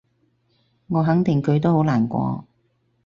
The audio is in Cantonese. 我肯定佢都好難過